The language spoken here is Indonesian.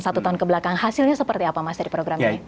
satu tahun kebelakang hasilnya seperti apa mas dari program ini